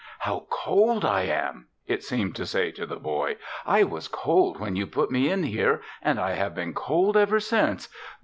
"How cold I am!" it seemed to say to the boy. "I was cold when you put me in here and I have been cold ever since.